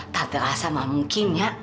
tante rasa mah mungkin ya